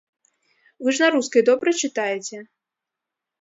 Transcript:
Вы ж на рускай добра чытаеце?